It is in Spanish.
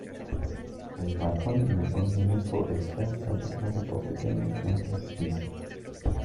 El patrón de fondo negro está salpicado por pequeñas manchas grises.